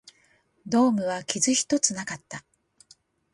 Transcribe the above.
ドームは傷一つなかった